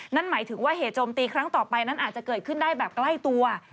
นั่นหมายถึงว่าเหตุโจมตีครั้งต่อไปนั้นอาจจะเกิดขึ้นได้แบบใกล้ตัว